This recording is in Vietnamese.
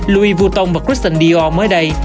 louis vuitton và christian dior mới đây